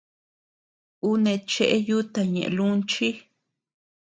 Ú neʼe cheʼe yuta ñeʼe lunchi.